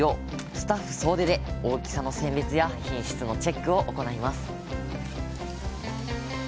スタッフ総出で大きさの選別や品質のチェックを行います